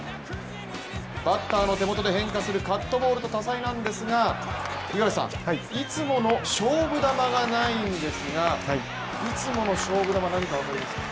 バッターの手元で変化するカットボールと、多彩なんですが五十嵐さんいつもの勝負球がないんですがいつもの勝負球、何か分かりますか？